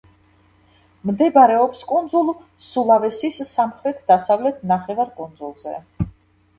მდებარეობს კუნძულ სულავესის სამხრეთ–დასავლეთ ნახევარკუნძულზე.